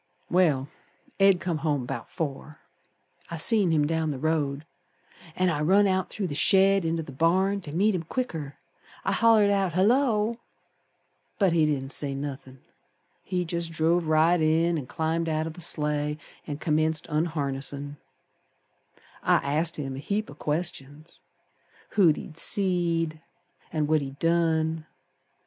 Well, Ed come home 'bout four. I seen him down the road, An' I run out through the shed inter th' barn To meet him quicker. I hollered out, 'Hullo!' But he didn't say nothin', He jest drove right in An' climbed out o' th' sleigh An' commenced unharnessin'. I asked him a heap o' questions; Who he'd seed An' what he'd done.